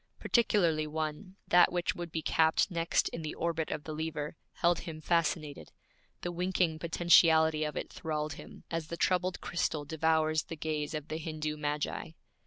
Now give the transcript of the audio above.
Particularly one, that which would be capped next in the orbit of the lever, held him fascinated; the winking potentiality of it thralled him, as the troubled crystal devours the gaze of the Hindu magi.